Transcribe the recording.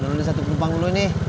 dulu satu kerupang dulu nih